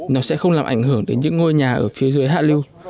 nó sẽ không làm ảnh hưởng đến những ngôi nhà ở phía dưới hạ lưu